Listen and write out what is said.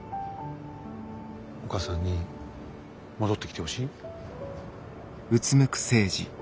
お母さんに戻ってきてほしい？